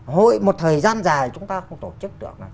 hội một thời gian dài chúng ta không tổ chức được